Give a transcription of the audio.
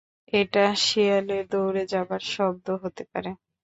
এটা শেয়ালের দৌড়ে যাবার শব্দও হতে পারে।